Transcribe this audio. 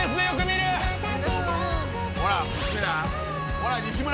ほらっ西村！